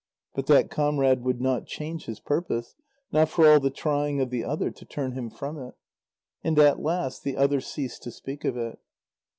But that comrade would not change his purpose, not for all the trying of the other to turn him from it. And at last the other ceased to speak of it.